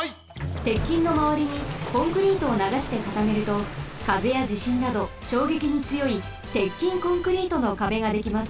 鉄筋のまわりにコンクリートをながしてかためるとかぜやじしんなどしょうげきにつよい鉄筋コンクリートの壁ができます。